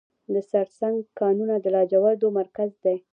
د سرسنګ کانونه د لاجوردو مرکز دی